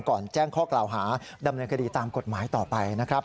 แจ้งข้อกล่าวหาดำเนินคดีตามกฎหมายต่อไปนะครับ